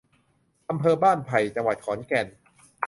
อำเภอบ้านไผ่ จังหวัดขอนแก่น